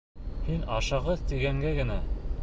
Һин ашығыс тигәнгә генә...